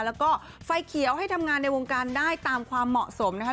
แล้วก็ไฟเขียวให้ทำงานในวงการได้ตามความเหมาะสมนะคะ